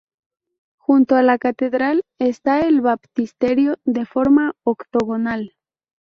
Junto a la catedral está el baptisterio, de forma octogonal.